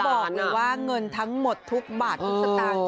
ได้ยินไหมน้องบอกก่อนว่าเงินทั้งหมดทุกบาททุกสตางค์